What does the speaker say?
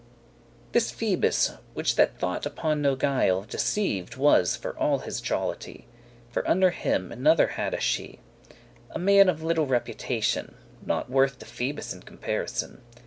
*accords with This Phoebus, which that thought upon no guile, Deceived was for all his jollity; For under him another hadde she, A man of little reputation, Nought worth to Phoebus in comparison.